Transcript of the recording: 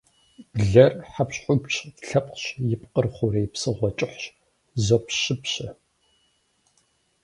Блэр хьэпщхупщ лъэпкъщ, и пкъыр хъурей псыгъуэ кӏыхьщ, зопщыпщэ.